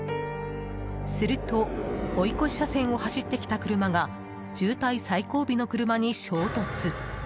すると追い越し車線を走ってきた車が渋滞最後尾の車に衝突。